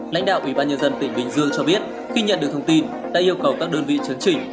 lãnh đạo ủy ban nhân dân tỉnh bình dương cho biết khi nhận được thông tin đã yêu cầu các đơn vị chấn chỉnh